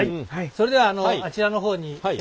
それではあちらの方にはいはい。